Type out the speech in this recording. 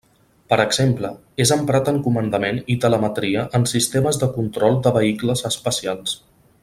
Per exemple, és emprat en comandament i telemetria en sistemes de control de vehicles espacials.